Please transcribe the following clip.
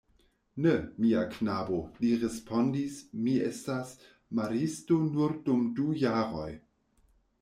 Ne, mia knabo, li respondis, mi estas maristo nur dum du jaroj.